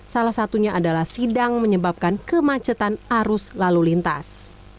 salah satunya adalah sidang menyebabkan kemacetan arus lalu lintas